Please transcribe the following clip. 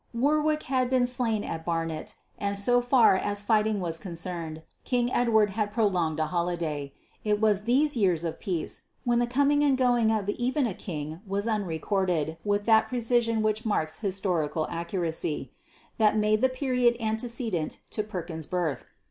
Warwick had been slain at Barnet, and so far as fighting was concerned, King Edward had a prolonged holiday. It was these years of peace when the coming and going of even a king was unrecorded with that precision which marks historical accuracy that made the period antecedent to Perkin's birth.